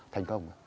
thành công rồi